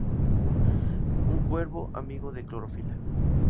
Un cuervo, amigo de Clorofila.